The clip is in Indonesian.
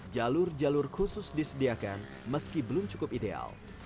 jalur jalur khusus disediakan meski belum cukup ideal